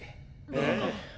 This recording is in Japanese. ええ。